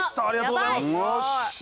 ありがとうございます。